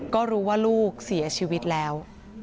ก็รู้ว่าลูกเสียชีวิตแล้ว